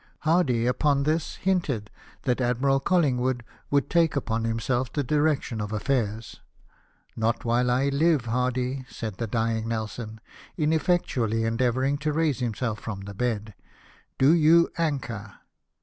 Hardy upon this hinted that Admiral Collingwood would take upon himself the direction of affairs. " Not while I live. Hardy !" said the dying Nelson, ineffectually endeavouring to raise himself from the bed ;" do you anchor."